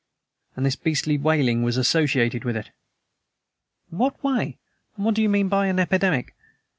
And this beastly wailing was associated with it." "In what way? And what do you mean by an epidemic?"